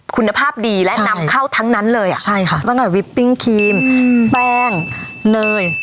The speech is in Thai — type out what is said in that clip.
คุณภาพดีและนำเข้าทั้งนั้นเลยอ่ะใช่ค่ะตั้งแต่วิปปิ้งครีมแป้งเนย